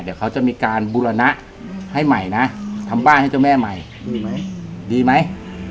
เดี๋ยวเขาจะมีการบูรณะให้ใหม่นะทำบ้านให้เจ้าแม่ใหม่ดีไหมดีไหม